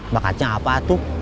bakatnya apa tuh